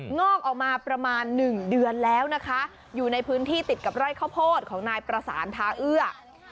งอกออกมาประมาณหนึ่งเดือนแล้วนะคะอยู่ในพื้นที่ติดกับไร่ข้าวโพดของนายประสานทาเอื้อ